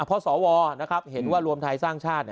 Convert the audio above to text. เพราะสวเห็นว่ารวมไทยสร้างชาติ